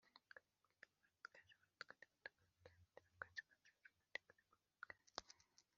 numva ijwi rimbwira riti haguruka upime ahera h urusengero k rw Imana n igicaniro n abahasengera Ariko sibyo byonyine